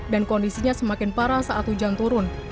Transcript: dan kondisinya semakin parah saat hujan turun